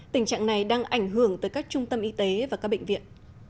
tình trạng này đang ảnh hưởng tới các trung tâm y tế và các bệnh viện